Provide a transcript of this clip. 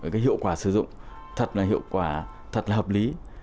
cái hiệu quả sử dụng thật là hiệu quả thật là hợp lý